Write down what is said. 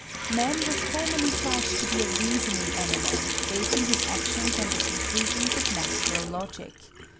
Man was formerly thought to be a reasoning animal, basing his actions on the conclusions of natural logic.